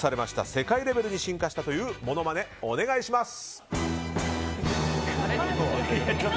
世界レベルに進化したというものまね、お願いします！